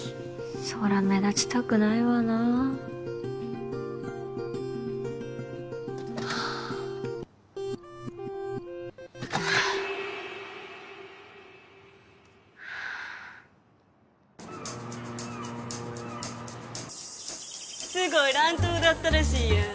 そりゃ目立ちたくないわなはああーっはあっすごい乱闘だったらしいやん